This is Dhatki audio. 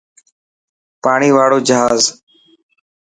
پاڻي واڙو جهاز.